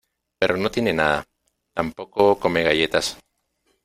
pero no tiene nada. tampoco come galletas .